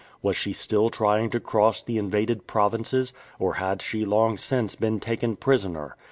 Was she still trying to cross the invaded provinces, or had she long since been taken prisoner?